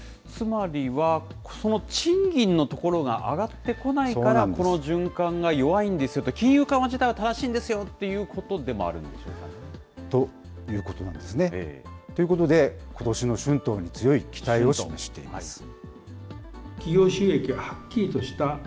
つまりは、その賃金のところが上がってこないから、この循環が弱いんですよと、金融緩和自体は正しいんですよということでもあるんですかね。ということなんですね。ということで、ことしの春闘に強い期待を示しています。